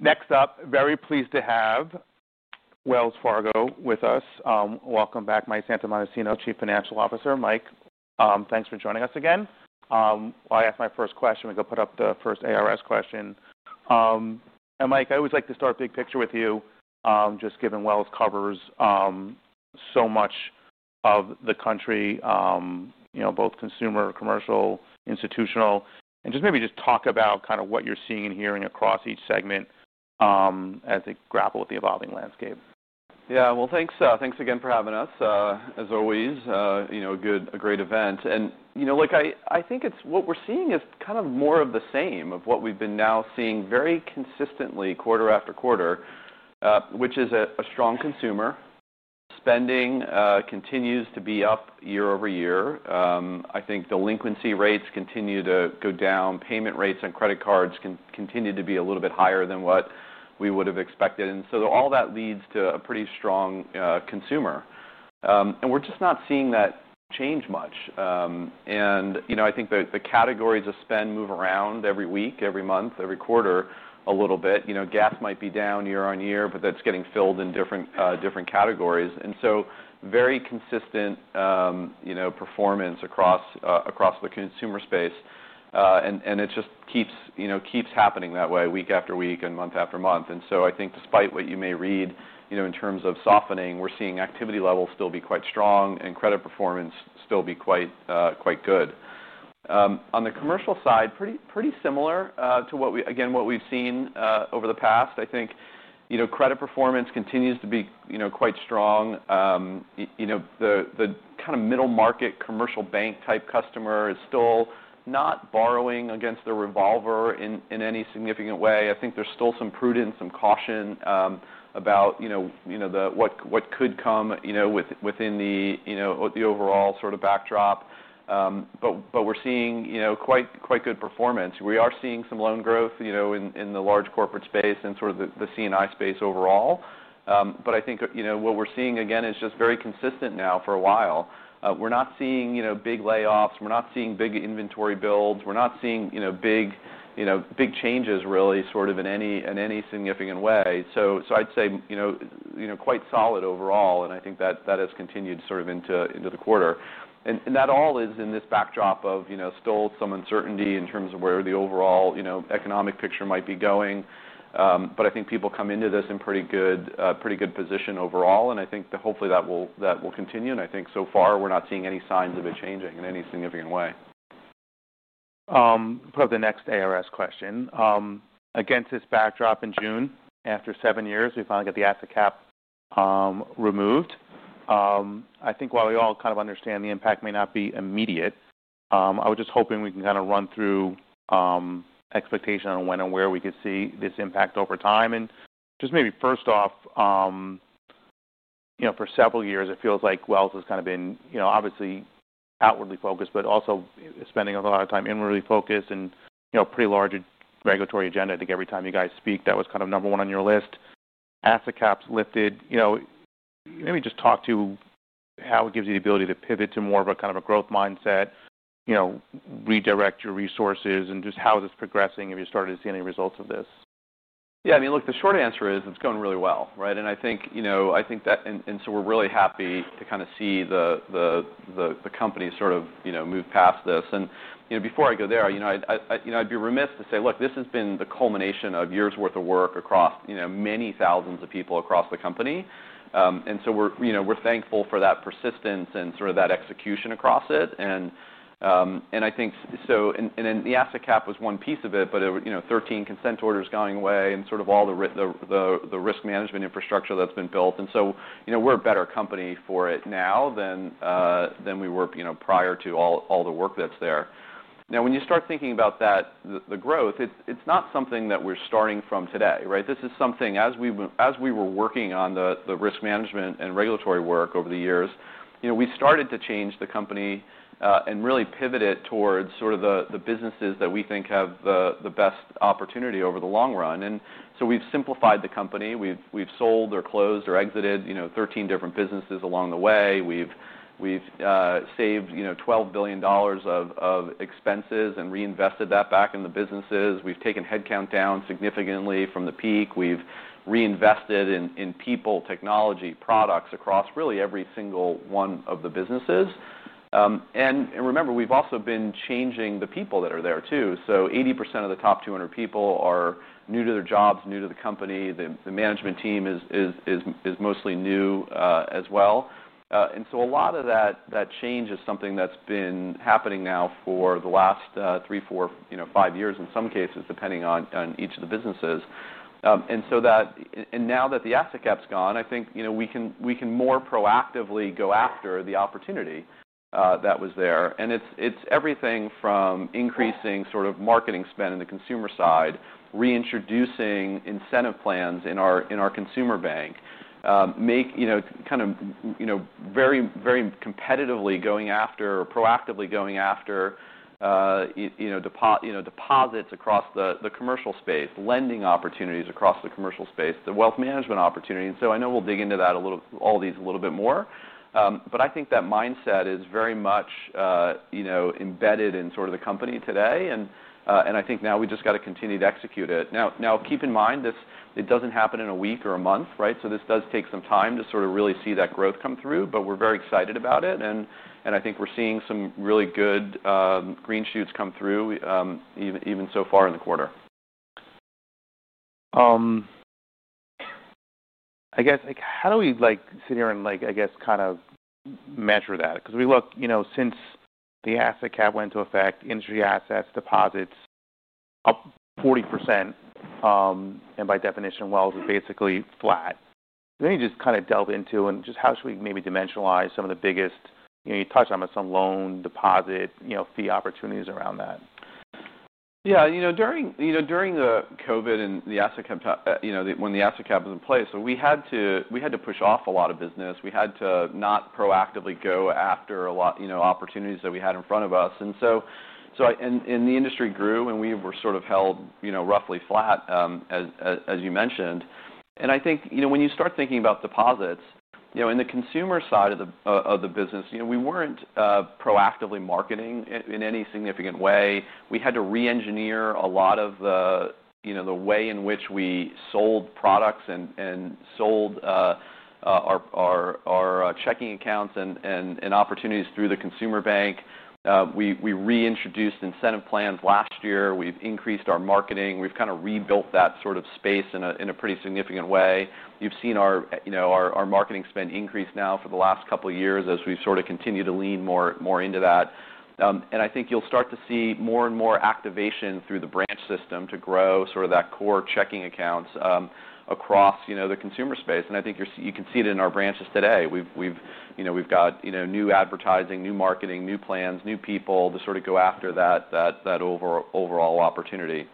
Next up, very pleased to have Wells Fargo with us. Welcome back, Mike Santomassimo, Chief Financial Officer. Mike, thanks for joining us again. While I ask my first question, we can put up the first ARS question. Mike, I always like to start big picture with you, just given Wells covers so much of the country, you know, both consumer, commercial, institutional, and just maybe talk about kind of what you're seeing and hearing across each segment as they grapple with the evolving landscape. Thanks again for having us, as always, a great event. What we're seeing is kind of more of the same of what we've been seeing very consistently quarter after quarter, which is a strong consumer. Spending continues to be up year over year. I think delinquency rates continue to go down. Payment rates on credit cards continue to be a little bit higher than what we would have expected. All that leads to a pretty strong consumer. We're just not seeing that change much. The categories of spend move around every week, every month, every quarter a little bit. Gas might be down year on year, but that's getting filled in different categories. Very consistent performance across the consumer space. It just keeps happening that way week after week and month after month. Despite what you may read in terms of softening, we're seeing activity levels still be quite strong and credit performance still be quite good. On the commercial side, pretty similar to what we've seen over the past. Credit performance continues to be quite strong. The kind of middle market commercial bank type customer is still not borrowing against the revolver in any significant way. There's still some prudence and caution about what could come within the overall sort of backdrop. We're seeing quite good performance. We are seeing some loan growth in the large corporate space and the CNI space overall. What we're seeing again is just very consistent now for a while. We're not seeing big layoffs. We're not seeing big inventory builds. We're not seeing big changes really in any significant way. I'd say quite solid overall. That has continued into the quarter. That all is in this backdrop of still some uncertainty in terms of where the overall economic picture might be going. People come into this in pretty good position overall. Hopefully that will continue. So far we're not seeing any signs of it changing in any significant way. I'll put up the next ARS question. Against this backdrop in June, after seven years, we finally got the asset cap removed. I think while we all kind of understand the impact may not be immediate, I was just hoping we can kind of run through expectation on when and where we could see this impact over time. Just maybe first off, you know, for several years it feels like Wells Fargo has kind of been, you know, obviously outwardly focused, but also spending a lot of time inwardly focused and, you know, a pretty large regulatory agenda. I think every time you guys speak, that was kind of number one on your list. Asset cap lifted, you know, maybe just talk to how it gives you the ability to pivot to more of a kind of a growth mindset, you know, redirect your resources and just how is this progressing. Have you started to see any results of this? Yeah, I mean, look, the short answer is it's going really well, right? I think that, and so we're really happy to kind of see the company sort of move past this. Before I go there, I'd be remiss to say, look, this has been the culmination of years' worth of work across many thousands of people across the company. We're thankful for that persistence and sort of that execution across it. I think so, and then the asset cap was one piece of it, but it, you know, 13 consent orders going away and sort of all the risk management infrastructure that's been built. We're a better company for it now than we were prior to all the work that's there. Now, when you start thinking about that, the growth, it's not something that we're starting from today, right? This is something as we were working on the risk management and regulatory work over the years, we started to change the company and really pivot it towards sort of the businesses that we think have the best opportunity over the long run. We've simplified the company. We've sold or closed or exited 13 different businesses along the way. We've saved $12 billion of expenses and reinvested that back in the businesses. We've taken headcount down significantly from the peak. We've reinvested in people, technology, products across really every single one of the businesses. Remember, we've also been changing the people that are there too. So 80% of the top 200 people are new to their jobs, new to the company. The management team is mostly new as well. A lot of that change is something that's been happening now for the last three, four, five years in some cases, depending on each of the businesses. Now that the asset cap's gone, I think we can more proactively go after the opportunity that was there. It's everything from increasing sort of marketing spend in the consumer side, reintroducing incentive plans in our consumer bank, very, very competitively going after, proactively going after deposits across the commercial space, lending opportunities across the commercial space, the wealth management opportunity. I know we'll dig into all these a little bit more. I think that mindset is very much, you know, embedded in sort of the company today. I think now we just got to continue to execute it. Keep in mind this, it doesn't happen in a week or a month, right? This does take some time to sort of really see that growth come through, but we're very excited about it. I think we're seeing some really good green shoots come through even so far in the quarter. How do we sit here and kind of measure that? Because we look, since the asset cap went into effect, industry assets, deposits up 40%. By definition, Wells Fargo is basically flat. Maybe just delve into how should we dimensionalize some of the biggest, you touched on with some loan deposit, fee opportunities around that. During COVID and the asset cap, when the asset cap was in place, we had to push off a lot of business. We had to not proactively go after a lot of opportunities that we had in front of us. The industry grew and we were sort of held roughly flat, as you mentioned. When you start thinking about deposits in the consumer side of the business, we weren't proactively marketing in any significant way. We had to re-engineer a lot of the way in which we sold products and sold our checking accounts and opportunities through the consumer bank. We reintroduced incentive plans last year. We've increased our marketing. We've kind of rebuilt that sort of space in a pretty significant way. You've seen our marketing spend increase now for the last couple of years as we continue to lean more into that. I think you'll start to see more and more activation through the branch system to grow that core checking accounts across the consumer space. You can see it in our branches today. We've got new advertising, new marketing, new plans, new people to go after that overall opportunity.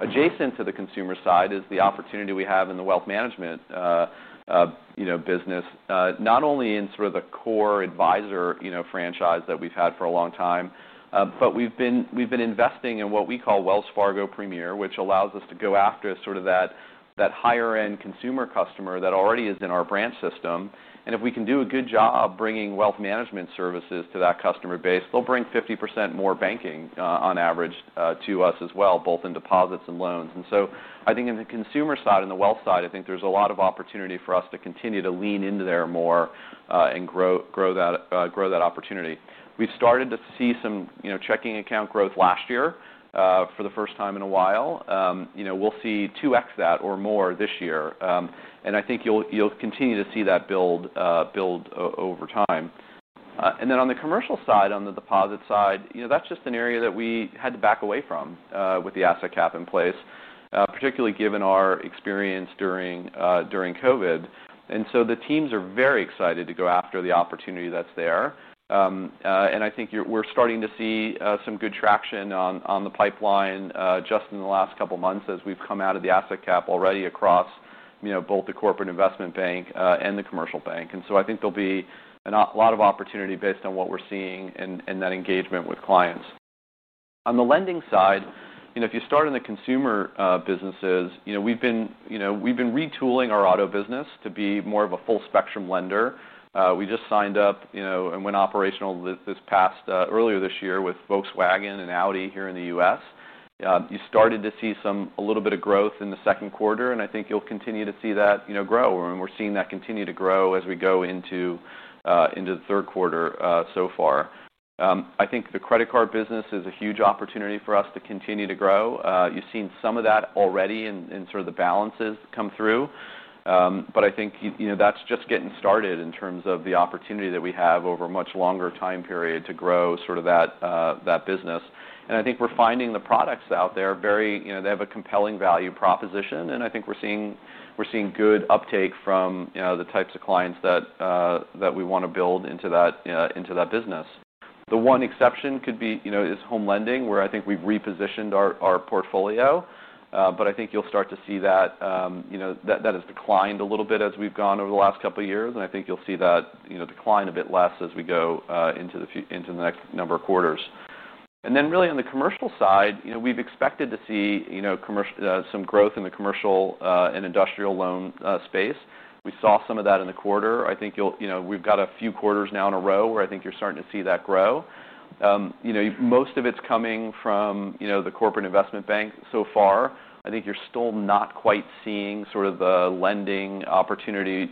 Adjacent to the consumer side is the opportunity we have in the wealth management business, not only in the core advisor franchise that we've had for a long time, but we've been investing in what we call Wells Fargo Premier, which allows us to go after that higher-end consumer customer that already is in our branch system. If we can do a good job bringing wealth management services to that customer base, they'll bring 50% more banking on average to us as well, both in deposits and loans. In the consumer side and the wealth side, I think there's a lot of opportunity for us to continue to lean into there more and grow that opportunity. We've started to see some checking account growth last year for the first time in a while. We'll see 2x that or more this year. I think you'll continue to see that build over time. On the commercial side, on the deposit side, that's just an area that we had to back away from with the asset cap in place, particularly given our experience during COVID. The teams are very excited to go after the opportunity that's there. I think we're starting to see some good traction on the pipeline just in the last couple of months as we've come out of the asset cap already across both the Corporate Investment Bank and the Commercial Bank. I think there'll be a lot of opportunity based on what we're seeing in that engagement with clients. On the lending side, if you start in the consumer businesses, we've been retooling our auto business to be more of a full spectrum lender. We just signed up and went operational earlier this year with Volkswagen and Audi here in the U.S. You started to see a little bit of growth in the second quarter. I think you'll continue to see that grow, and we're seeing that continue to grow as we go into the third quarter so far. I think the credit card business is a huge opportunity for us to continue to grow. You've seen some of that already in the balances come through, but I think that's just getting started in terms of the opportunity that we have over a much longer time period to grow that business. I think we're finding the products out there have a compelling value proposition. I think we're seeing good uptake from the types of clients that we want to build into that business. The one exception could be home lending, where I think we've repositioned our portfolio, but I think you'll start to see that has declined a little bit as we've gone over the last couple of years. I think you'll see that decline a bit less as we go into the next number of quarters. On the commercial side, we've expected to see some growth in the commercial and industrial loan space. We saw some of that in the quarter. I think we've got a few quarters now in a row where I think you're starting to see that grow. Most of it's coming from the Corporate Investment Bank so far. I think you're still not quite seeing the lending opportunity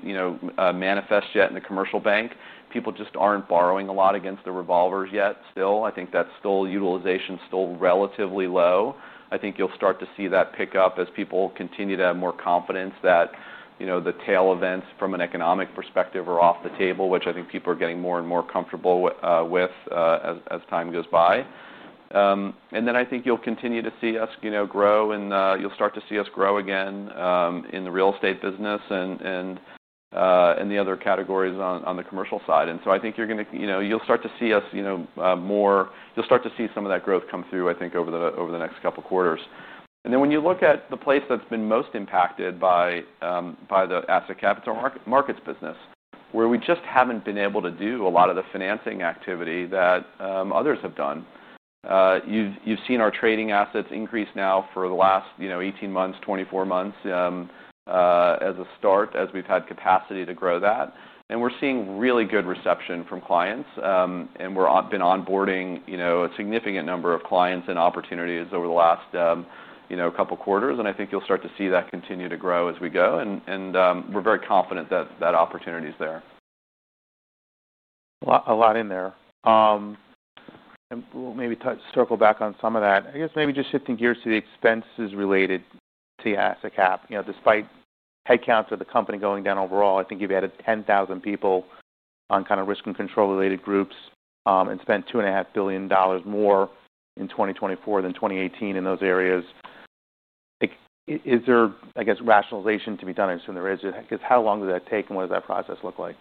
manifest yet in the Commercial Bank. People just aren't borrowing a lot against the revolvers yet still. I think utilization is still relatively low. I think you'll start to see that pick up as people continue to have more confidence that, you know, the tail events from an economic perspective are off the table, which I think people are getting more and more comfortable with as time goes by. I think you'll continue to see us grow and you'll start to see us grow again in the real estate business and the other categories on the commercial side. I think you're going to, you know, you'll start to see us, you know, more, you'll start to see some of that growth come through, I think, over the next couple of quarters. When you look at the place that's been most impacted by the asset cap, the capital markets business, where we just haven't been able to do a lot of the financing activity that others have done, you've seen our trading assets increase now for the last, you know, 18 months, 24 months as a start, as we've had capacity to grow that. We're seeing really good reception from clients. We've been onboarding, you know, a significant number of clients and opportunities over the last, you know, a couple of quarters. I think you'll start to see that continue to grow as we go. We're very confident that that opportunity is there. A lot in there. Maybe we'll circle back on some of that. I guess just shifting gears to the expenses related to the asset cap. You know, despite headcounts of the company going down overall, I think you've added 10,000 people on kind of risk and control related groups and spent $2.5 billion more in 2024 than 2018 in those areas. Is there, I guess, rationalization to be done? I assume there is. How long does that take and what does that process look like?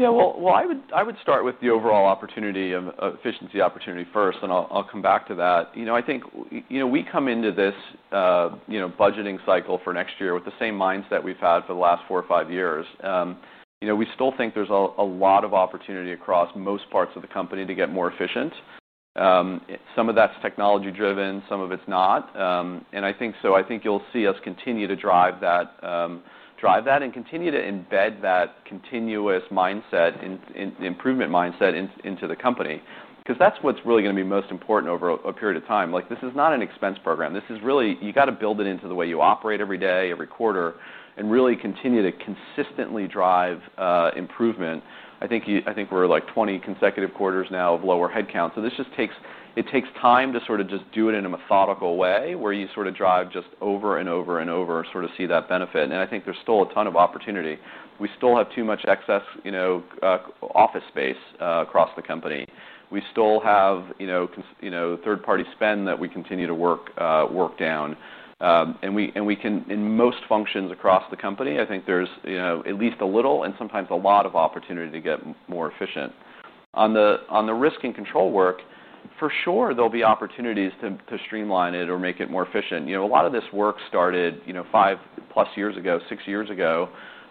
I would start with the overall opportunity of efficiency opportunity first, and I'll come back to that. I think we come into this budgeting cycle for next year with the same mindset we've had for the last four or five years. We still think there's a lot of opportunity across most parts of the company to get more efficient. Some of that's technology driven, some of it's not. I think you'll see us continue to drive that and continue to embed that continuous mindset and improvement mindset into the company. That's what's really going to be most important over a period of time. This is not an expense program. You have to build it into the way you operate every day, every quarter, and really continue to consistently drive improvement. I think we're like 20 consecutive quarters now of lower headcount. This just takes time to sort of do it in a methodical way where you drive just over and over and over, sort of see that benefit. I think there's still a ton of opportunity. We still have too much excess office space across the company. We still have third-party spend that we continue to work down. In most functions across the company, I think there's at least a little and sometimes a lot of opportunity to get more efficient. On the risk and control work, for sure, there'll be opportunities to streamline it or make it more efficient. A lot of this work started five plus years ago, six years ago.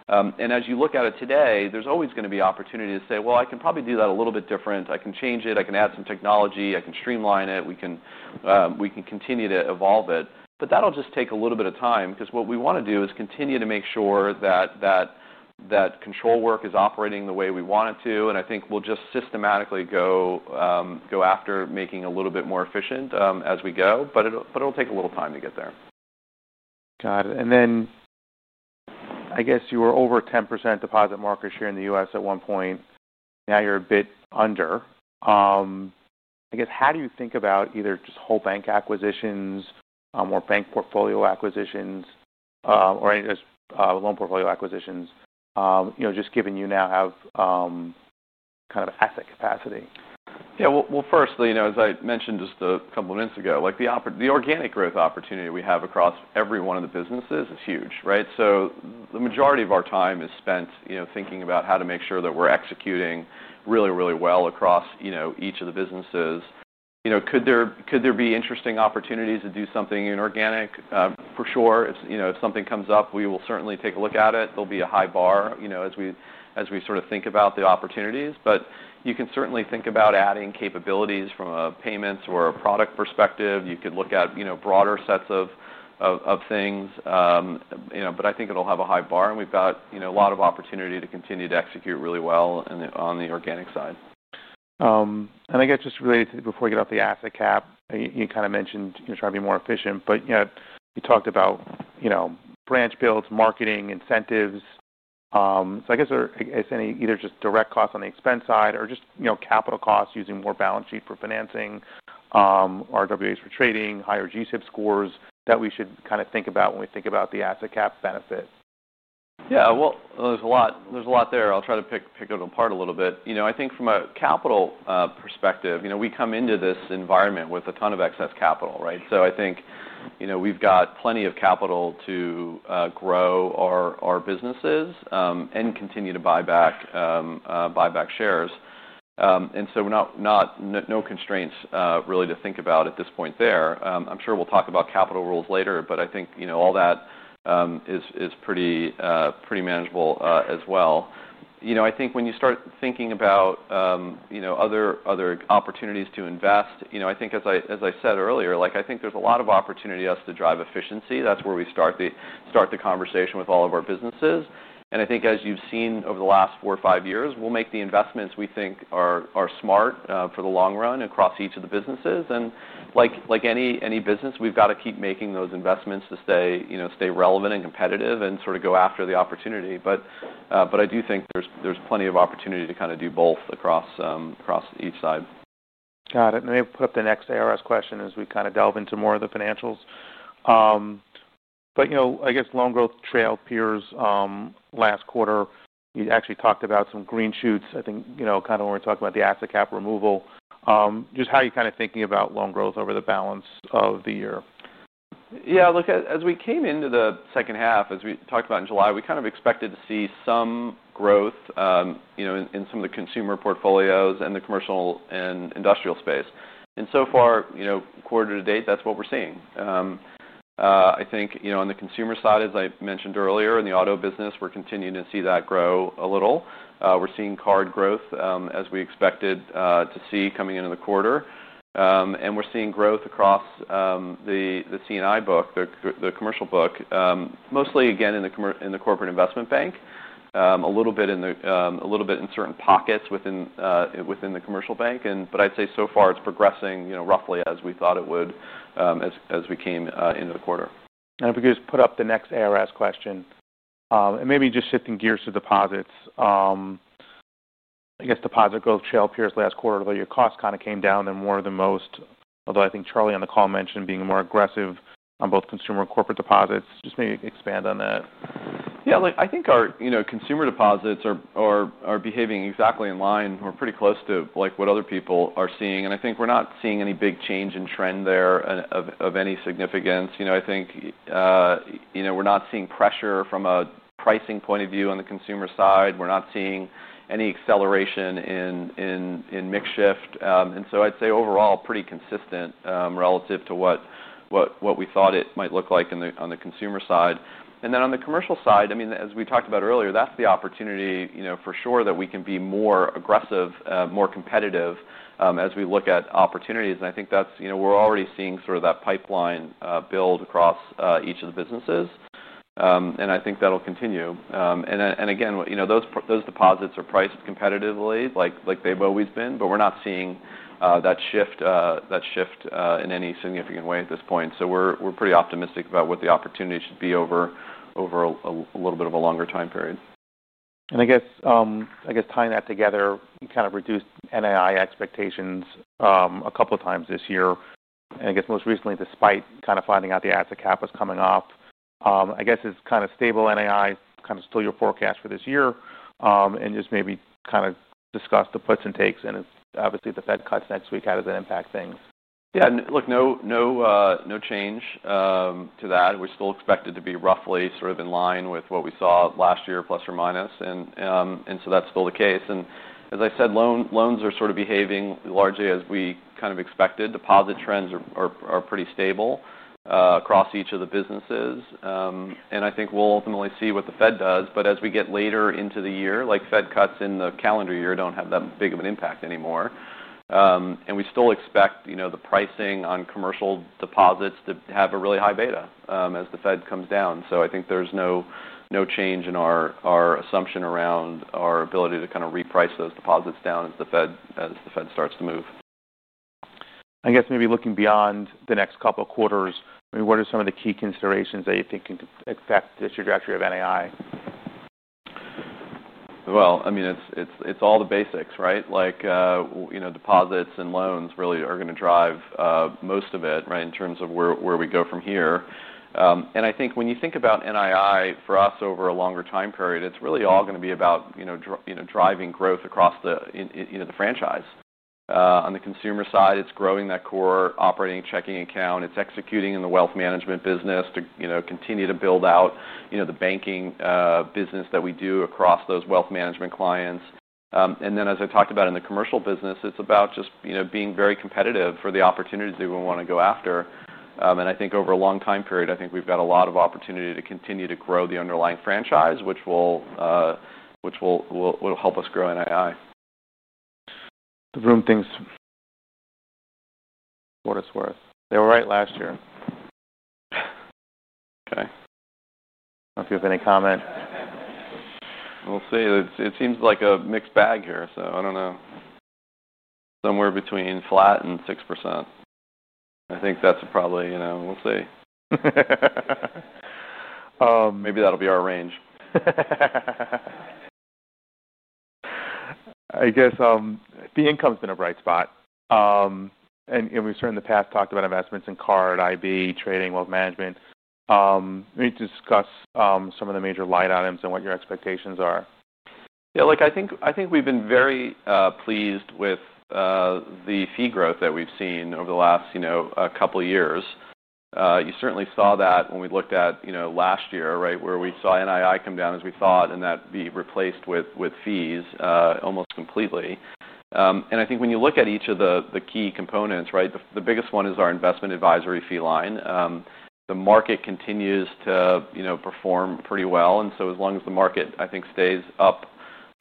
As you look at it today, there's always going to be opportunity to say, I can probably do that a little bit different. I can change it. I can add some technology. I can streamline it. We can continue to evolve it. That'll just take a little bit of time because what we want to do is continue to make sure that control work is operating the way we want it to. I think we'll just systematically go after making it a little bit more efficient as we go. It'll take a little time to get there. Got it. I guess you were over 10% deposit market share in the U.S. at one point. Now you're a bit under. I guess how do you think about either just whole bank acquisitions, bank portfolio acquisitions, or loan portfolio acquisitions, just given you now have kind of asset capacity. Firstly, as I mentioned just a couple of minutes ago, the organic growth opportunity we have across every one of the businesses is huge, right? The majority of our time is spent thinking about how to make sure that we're executing really, really well across each of the businesses. Could there be interesting opportunities to do something inorganic? For sure. If something comes up, we will certainly take a look at it. There will be a high bar as we sort of think about the opportunities. You can certainly think about adding capabilities from a payments or a product perspective. You could look at broader sets of things. I think it'll have a high bar and we've got a lot of opportunity to continue to execute really well on the organic side. Just related to before you get off the asset cap, you kind of mentioned trying to be more efficient, but you talked about branch builds, marketing, incentives. Are there any either just direct costs on the expense side or just capital costs using more balance sheet for financing, RWAs for trading, higher G-SIF scores that we should kind of think about when we think about the asset cap benefits? There's a lot there. I'll try to pick it apart a little bit. I think from a capital perspective, we come into this environment with a ton of excess capital, right? I think we've got plenty of capital to grow our businesses and continue to buy back shares. We're not really facing any constraints to think about at this point there. I'm sure we'll talk about capital rules later, but I think all that is pretty manageable as well. When you start thinking about other opportunities to invest, as I said earlier, I think there's a lot of opportunity for us to drive efficiency. That's where we start the conversation with all of our businesses. I think as you've seen over the last four or five years, we'll make the investments we think are smart for the long run across each of the businesses. Like any business, we've got to keep making those investments to stay relevant and competitive and sort of go after the opportunity. I do think there's plenty of opportunity to do both across each side. Got it. I put up the next ARS question as we kind of delve into more of the financials. I guess loan growth trailed peers last quarter. You actually talked about some green shoots. I think, you know, kind of when we're talking about the asset cap removal, just how you're kind of thinking about loan growth over the balance of the year. Yeah, look, as we came into the second half, as we talked about in July, we kind of expected to see some growth in some of the consumer portfolios and the commercial and industrial space. So far, quarter to date, that's what we're seeing. I think on the consumer side, as I mentioned earlier, in the auto business, we're continuing to see that grow a little. We're seeing card growth as we expected to see coming into the quarter, and we're seeing growth across the CNI book, the commercial book, mostly again in the corporate investment bank, a little bit in certain pockets within the commercial bank. I'd say so far it's progressing roughly as we thought it would as we came into the quarter. If we could just put up the next ARS question, maybe just shifting gears to deposits, I guess deposit growth trailed peers last quarter, though your costs kind of came down more than most, although I think Charlie on the call mentioned being more aggressive on both consumer and corporate deposits. Just maybe expand on that. Yeah, I think our consumer deposits are behaving exactly in line and we're pretty close to what other people are seeing. I think we're not seeing any big change in trend there of any significance. We're not seeing pressure from a pricing point of view on the consumer side. We're not seeing any acceleration in mix shift. I'd say overall pretty consistent relative to what we thought it might look like on the consumer side. On the commercial side, as we talked about earlier, that's the opportunity for sure that we can be more aggressive, more competitive as we look at opportunities. I think we're already seeing that pipeline build across each of the businesses. I think that'll continue. Those deposits are priced competitively like they've always been, but we're not seeing that shift in any significant way at this point. We're pretty optimistic about what the opportunity should be over a little bit of a longer time period. I guess tying that together, you kind of reduced NAI expectations a couple of times this year. Most recently, despite kind of finding out the asset cap was coming off, I guess it's kind of stable NAI, kind of still your forecast for this year, and just maybe discuss the puts and takes and obviously the Fed cuts next week, how does that impact things? Yeah, look, no change to that. We're still expected to be roughly sort of in line with what we saw last year, plus or minus. That's still the case. As I said, loans are sort of behaving largely as we kind of expected. Deposit trends are pretty stable across each of the businesses. I think we'll ultimately see what the Fed does. As we get later into the year, like Fed cuts in the calendar year don't have that big of an impact anymore. We still expect, you know, the pricing on commercial deposits to have a really high beta as the Fed comes down. I think there's no change in our assumption around our ability to kind of reprice those deposits down as the Fed starts to move. I guess maybe looking beyond the next couple of quarters, what are some of the key considerations that you think can affect the trajectory of NAI? It's all the basics, right? Like, you know, deposits and loans really are going to drive most of it, right, in terms of where we go from here. I think when you think about NAI for us over a longer time period, it's really all going to be about, you know, driving growth across the, you know, the franchise. On the consumer side, it's growing that core operating checking account. It's executing in the wealth management business to, you know, continue to build out, you know, the banking business that we do across those wealth management clients. As I talked about in the commercial business, it's about just, you know, being very competitive for the opportunities that we want to go after. I think over a long time period, I think we've got a lot of opportunity to continue to grow the underlying franchise, which will help us grow NAI. The room thinks what it's worth. They were right last year. I don't know if you have any comment. It seems like a mixed bag here, so I don't know. Somewhere between flat and 6%. I think that's probably, you know, we'll see. Maybe that'll be our range. I guess the income's been a bright spot. We've certainly in the past talked about investments in card, IB, trading, wealth management. Maybe discuss some of the major line items and what your expectations are. Yeah, look, I think we've been very pleased with the fee growth that we've seen over the last couple of years. You certainly saw that when we looked at last year, right, where we saw NAI come down as we thought and that be replaced with fees almost completely. I think when you look at each of the key components, the biggest one is our investment advisory fee line. The market continues to perform pretty well. As long as the market, I think, stays up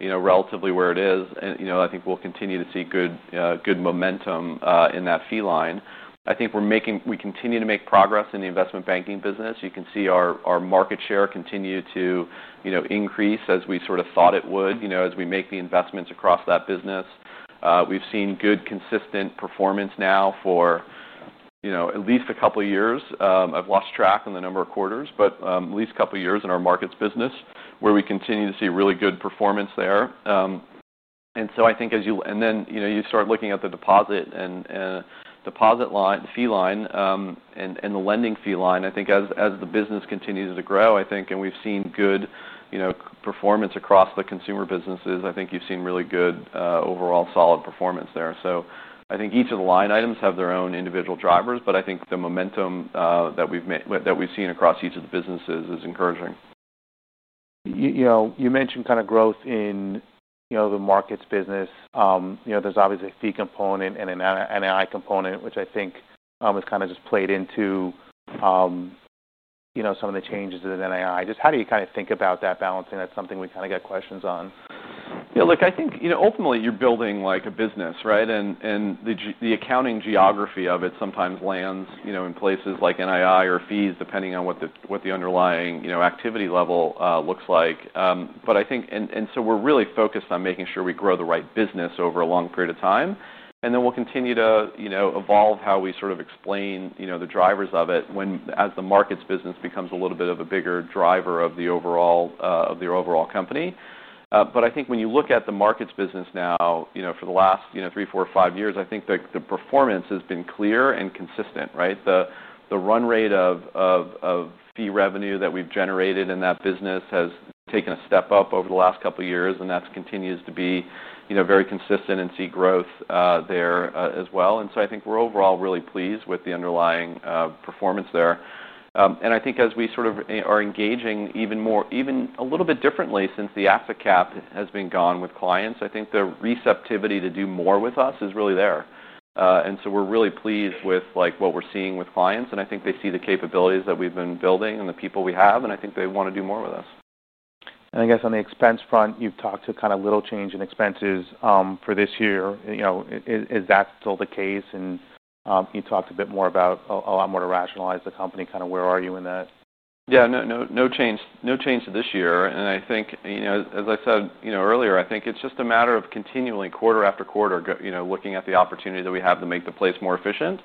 relatively where it is, I think we'll continue to see good momentum in that fee line. I think we continue to make progress in the investment banking business. You can see our market share continue to increase as we sort of thought it would as we make the investments across that business. We've seen good consistent performance now for at least a couple of years. I've lost track on the number of quarters, but at least a couple of years in our markets business where we continue to see really good performance there. I think as you start looking at the deposit and deposit line, fee line, and the lending fee line, I think as the business continues to grow, I think, and we've seen good performance across the consumer businesses, I think you've seen really good overall solid performance there. I think each of the line items have their own individual drivers, but I think the momentum that we've seen across each of the businesses is encouraging. You mentioned kind of growth in the markets business. There's obviously a fee component and an NAI component, which I think has kind of just played into some of the changes in NAI. How do you think about that balancing? That's something we got questions on. Yeah, look, I think ultimately you're building like a business, right? The accounting geography of it sometimes lands in places like NAI or fees, depending on what the underlying activity level looks like. I think we're really focused on making sure we grow the right business over a long period of time. We'll continue to evolve how we sort of explain the drivers of it when the markets business becomes a little bit of a bigger driver of the overall company. I think when you look at the markets business now, for the last three, four, or five years, the performance has been clear and consistent, right? The run rate of fee revenue that we've generated in that business has taken a step up over the last couple of years, and that continues to be very consistent and see growth there as well. I think we're overall really pleased with the underlying performance there. As we sort of are engaging even more, even a little bit differently since the asset cap has been gone with clients, the receptivity to do more with us is really there. We're really pleased with what we're seeing with clients. I think they see the capabilities that we've been building and the people we have, and I think they want to do more with us. On the expense front, you've talked to kind of little change in expenses for this year. Is that still the case? You talked a bit more about a lot more to rationalize the company. Kind of where are you in that? No change to this year. I think, as I said earlier, it's just a matter of continually, quarter after quarter, looking at the opportunity that we have to make the place more efficient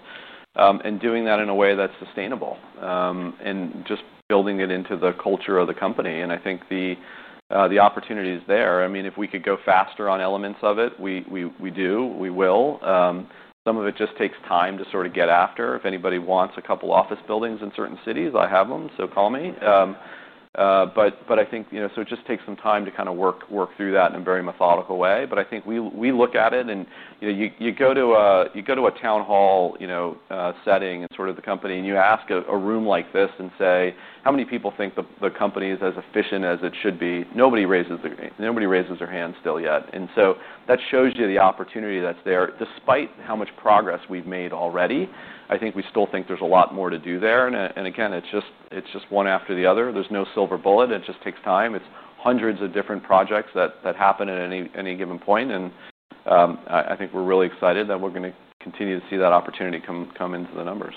and doing that in a way that's sustainable and just building it into the culture of the company. I think the opportunity is there. If we could go faster on elements of it, we do, we will. Some of it just takes time to sort of get after. If anybody wants a couple of office buildings in certain cities, I have them, so call me. I think it just takes some time to kind of work through that in a very methodical way. I think we look at it and you go to a town hall setting and sort of the company, and you ask a room like this and say, how many people think the company is as efficient as it should be? Nobody raises their hand still yet. That shows you the opportunity that's there, despite how much progress we've made already. I think we still think there's a lot more to do there. Again, it's just one after the other. There's no silver bullet. It just takes time. It's hundreds of different projects that happen at any given point. I think we're really excited that we're going to continue to see that opportunity come into the numbers.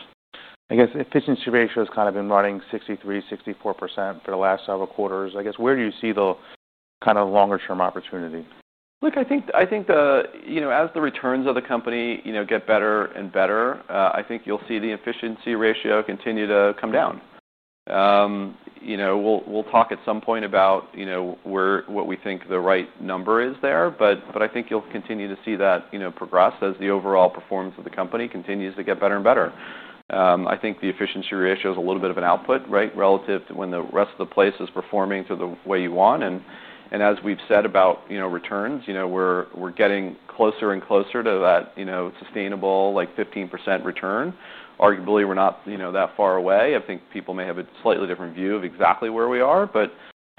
I guess efficiency ratios have kind of been running 63%, 64% for the last several quarters. I guess where do you see the kind of longer term opportunity? I think, as the returns of the company get better and better, you'll see the efficiency ratio continue to come down. We'll talk at some point about what we think the right number is there, but I think you'll continue to see that progress as the overall performance of the company continues to get better and better. I think the efficiency ratio is a little bit of an output, right, relative to when the rest of the place is performing to the way you want. As we've said about returns, we're getting closer and closer to that sustainable, like 15% return. Arguably, we're not that far away. I think people may have a slightly different view of exactly where we are, but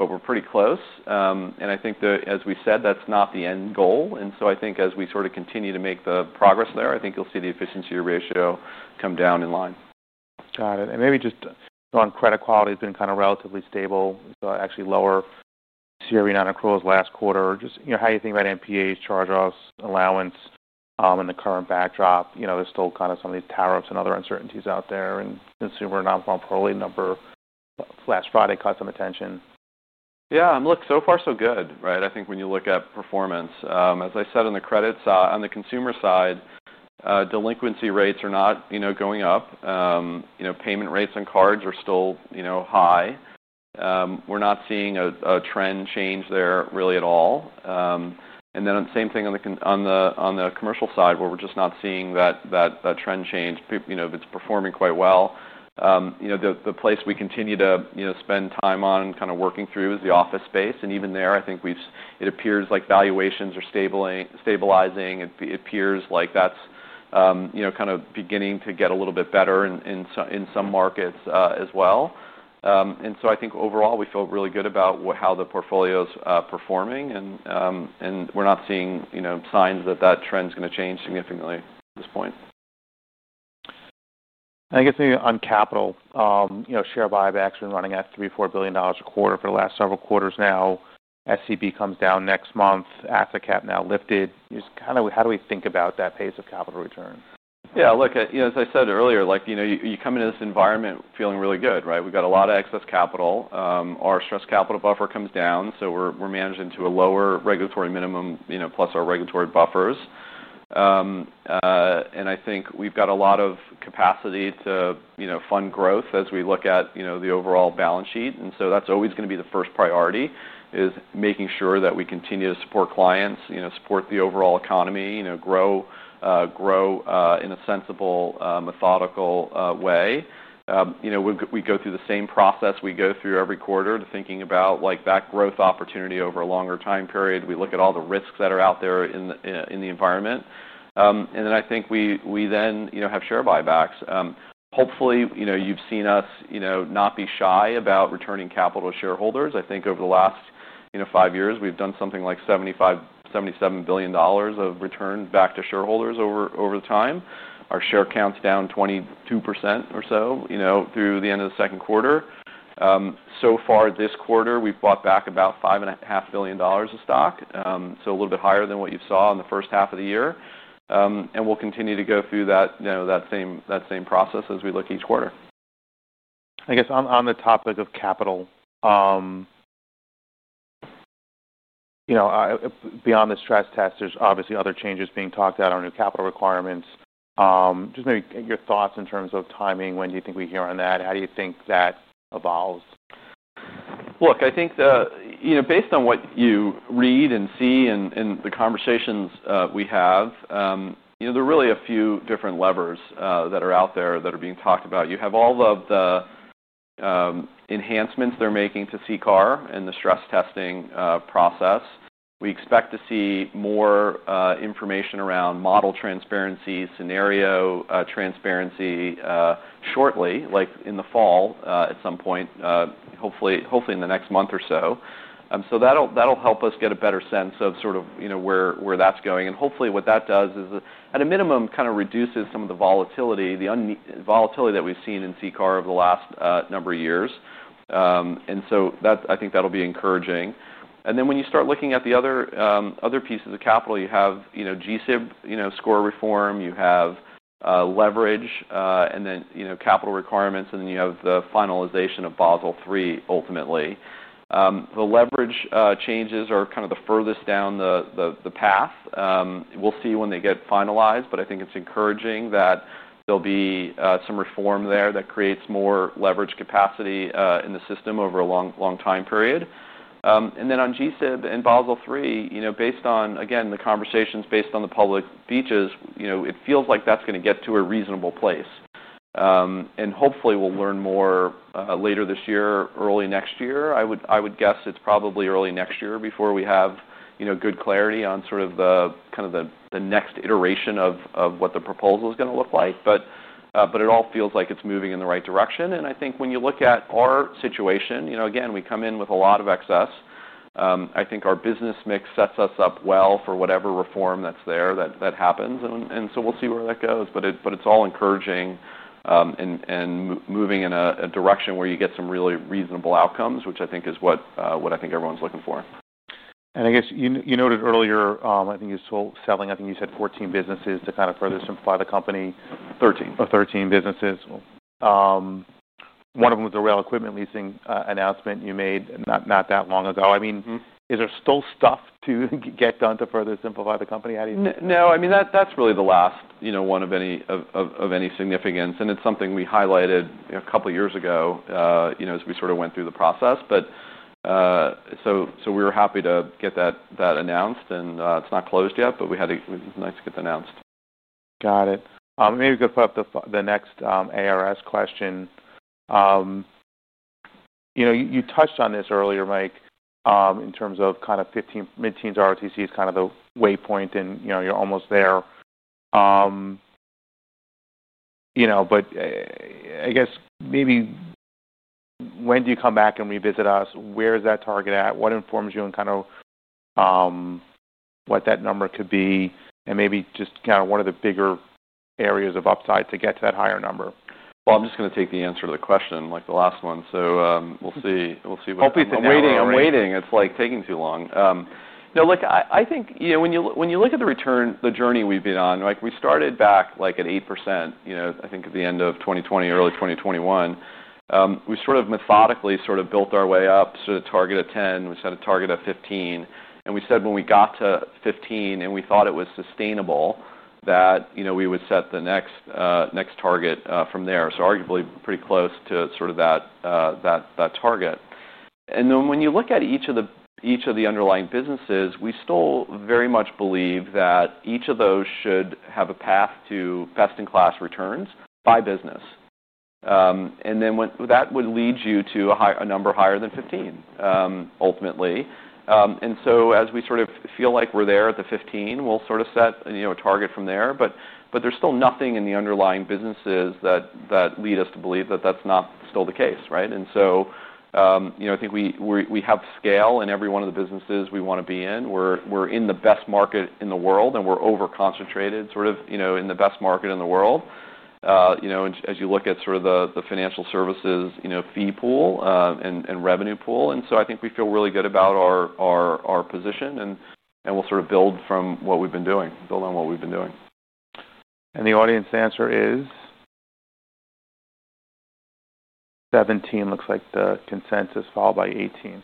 we're pretty close. As we said, that's not the end goal. As we sort of continue to make the progress there, I think you'll see the efficiency ratio come down in line. Got it. Maybe just on credit quality, it has been kind of relatively stable, actually lower to where we were at in the last quarter. Just, you know, how do you think about MPAs, charge-offs, allowance, and the current backdrop? There's still kind of some of these tariffs and other uncertainties out there. I assume our non-farm payroll number last Friday caught some attention. Yeah, so far so good, right? I think when you look at performance, as I said on the credit side, on the consumer side, delinquency rates are not going up. Payment rates on cards are still high. We're not seeing a trend change there really at all. The same thing on the commercial side, we're just not seeing that trend change. It's performing quite well. The place we continue to spend time on, kind of working through, is the office space. Even there, I think it appears like valuations are stabilizing. It appears like that's kind of beginning to get a little bit better in some markets as well. I think overall we felt really good about how the portfolio's performing. We're not seeing signs that that trend's going to change significantly at this point. I guess maybe on capital, you know, share buybacks have been running at $3-4 billion a quarter for the last several quarters now. SCB comes down next month. Asset cap now lifted. Just kind of how do we think about that pace of capital return? Yeah, look, as I said earlier, you come into this environment feeling really good, right? We've got a lot of excess capital. Our stress capital buffer comes down. We're managing to a lower regulatory minimum, plus our regulatory buffers. I think we've got a lot of capacity to fund growth as we look at the overall balance sheet. That's always going to be the first priority, making sure that we continue to support clients, support the overall economy, grow in a sensible, methodical way. We go through the same process every quarter, thinking about that growth opportunity over a longer time period. We look at all the risks that are out there in the environment. I think we then have share buybacks. Hopefully, you've seen us not be shy about returning capital to shareholders. I think over the last five years, we've done something like $75 billion, $77 billion of return back to shareholders over the time. Our share count's down 22% or so through the end of the second quarter. So far this quarter, we've bought back about $5.5 billion of stock, a little bit higher than what you saw in the first half of the year. We'll continue to go through that same process as we look each quarter. On the topic of capital, beyond the stress test, there are obviously other changes being talked about on your capital requirements. Maybe your thoughts in terms of timing, when do you think we hear on that? How do you think that evolves? I think, based on what you read and see in the conversations we have, there are really a few different levers that are out there that are being talked about. You have all of the enhancements they're making to CCAR and the stress testing process. We expect to see more information around model transparency, scenario transparency shortly, like in the fall at some point, hopefully in the next month or so. That'll help us get a better sense of where that's going. Hopefully what that does is at a minimum kind of reduces some of the volatility that we've seen in CCAR over the last number of years. I think that'll be encouraging. When you start looking at the other pieces of capital, you have G-SIB score reform, you have leverage, and then capital requirements, and then you have the finalization of Basel III ultimately. The leverage changes are kind of the furthest down the path. We'll see when they get finalized, but I think it's encouraging that there'll be some reform there that creates more leverage capacity in the system over a long time period. On G-SIB and Basel III, based on the conversations, based on the public speeches, it feels like that's going to get to a reasonable place. Hopefully we'll learn more later this year, early next year. I would guess it's probably early next year before we have good clarity on the next iteration of what the proposal is going to look like. It all feels like it's moving in the right direction. I think when you look at our situation, again, we come in with a lot of excess. I think our business mix sets us up well for whatever reform that's there that happens. We'll see where that goes. It's all encouraging and moving in a direction where you get some really reasonable outcomes, which I think is what everyone's looking for. I guess you noted earlier, I think you're still selling, I think you said 14 businesses to kind of further simplify the company, 13 or 13 businesses. One of them was the rail equipment leasing announcement you made not that long ago. Is there still stuff to get done to further simplify the company? How do you think? No, I mean, that's really the last, you know, one of any significance. It's something we highlighted a couple of years ago, you know, as we sort of went through the process. We were happy to get that announced. It's not closed yet, but it was nice to get that announced. Got it. Maybe we could put up the next ARS question. You touched on this earlier, Mike, in terms of kind of 15 mid-teens ROTCE is kind of the waypoint and you're almost there. I guess maybe when do you come back and revisit us? Where is that target at? What informs you and kind of what that number could be? Maybe just kind of one of the bigger areas of upside to get to that higher number. I'm just going to take the answer to the question, like the last one. We'll see. Hopefully it's in the meantime. I think, you know, when you look at the return, the journey we've been on, like we started back at 8%, you know, I think at the end of 2020, early 2021. We sort of methodically built our way up to a target of 10. We set a target of 15. We said when we got to 15 and we thought it was sustainable, that we would set the next target from there. Arguably pretty close to that target. When you look at each of the underlying businesses, we still very much believe that each of those should have a path to best-in-class returns by business. That would lead you to a number higher than 15, ultimately. As we feel like we're there at the 15, we'll set a target from there. There's still nothing in the underlying businesses that lead us to believe that that's not still the case, right? I think we have scale in every one of the businesses we want to be in. We're in the best market in the world and we're over-concentrated in the best market in the world. As you look at the financial services fee pool and revenue pool, I think we feel really good about our position and we'll build on what we've been doing. The audience answer is 17, looks like the consensus, followed by 18.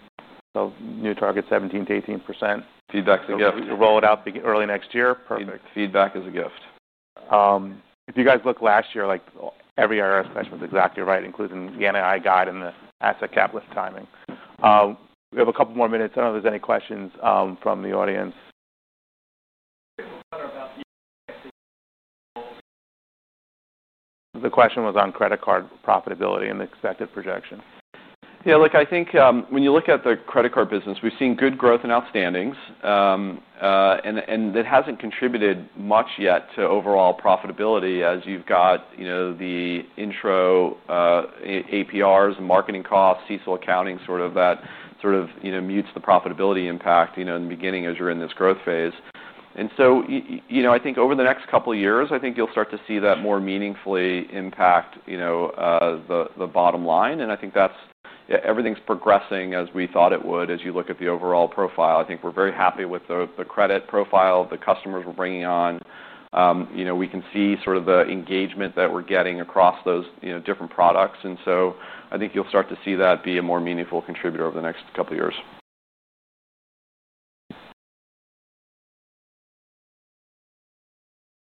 New target 17 to 18%. Feedback's a gift. Yeah, we can roll it out early next year. Perfect. Feedback is a gift. If you guys look last year, like every IRS question was exactly right, including the NAI guide and the asset cap list timing. We have a couple more minutes. I don't know if there's any questions from the audience. The question was on credit card profitability and the expected projection. Yeah, look, I think when you look at the credit card business, we've seen good growth in outstandings. That hasn't contributed much yet to overall profitability as you've got the intro APRs, marketing costs, CISL accounting, that sort of mutes the profitability impact in the beginning as you're in this growth phase. I think over the next couple of years, you'll start to see that more meaningfully impact the bottom line. Everything's progressing as we thought it would. As you look at the overall profile, I think we're very happy with the credit profile, the customers we're bringing on. We can see the engagement that we're getting across those different products. I think you'll start to see that be a more meaningful contributor over the next couple of years.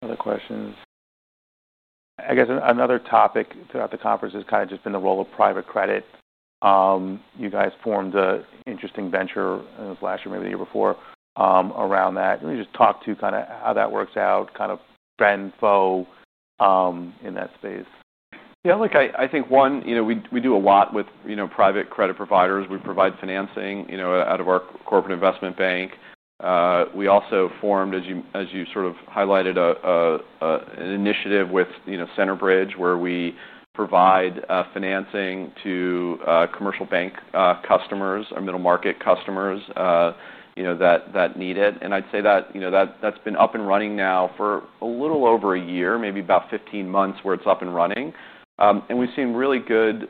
Other questions? I guess another topic throughout the conference has kind of just been the role of private credit. You guys formed an interesting venture, I think it was last year, maybe the year before, around that. Let me just talk to kind of how that works out, kind of been focused in that space. Yeah, look, I think one, you know, we do a lot with, you know, private credit providers. We provide financing, you know, out of our Corporate Investment Bank. We also formed, as you sort of highlighted, an initiative with, you know, Centerbridge Partners, where we provide financing to commercial bank customers or middle market customers, you know, that need it. I'd say that, you know, that's been up and running now for a little over a year, maybe about 15 months where it's up and running. We've seen really good,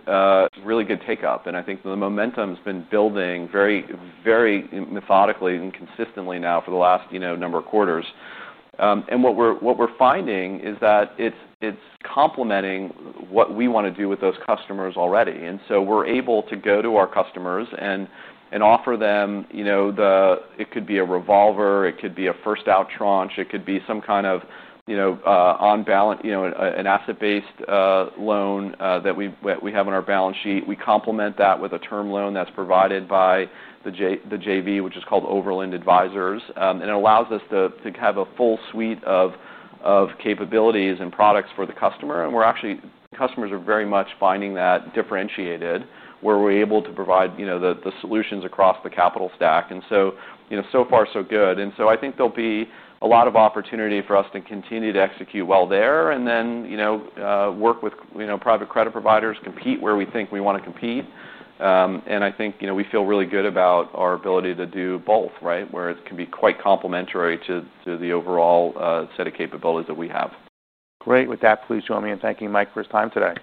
really good takeup. I think the momentum has been building very, very methodically and consistently now for the last, you know, number of quarters. What we're finding is that it's complementing what we want to do with those customers already. We're able to go to our customers and offer them, you know, it could be a revolver, it could be a first out tranche, it could be some kind of, you know, on balance, you know, an asset-based loan that we have on our balance sheet. We complement that with a term loan that's provided by the JV, which is called Overland Advisors. It allows us to have a full suite of capabilities and products for the customer. We're actually, customers are very much finding that differentiated where we're able to provide, you know, the solutions across the capital stack. You know, so far so good. I think there'll be a lot of opportunity for us to continue to execute while there. You know, work with, you know, private credit providers, compete where we think we want to compete. I think, you know, we feel really good about our ability to do both, right, where it can be quite complementary to the overall set of capabilities that we have. Great. With that, please join me in thanking Mike Santomassimo for his time today.